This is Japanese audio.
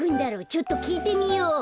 ちょっときいてみよう。